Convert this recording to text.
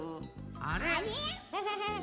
あれ？